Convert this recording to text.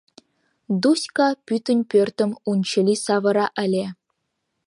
Дуська пӱтынь пӧртым унчыли савыра ыле.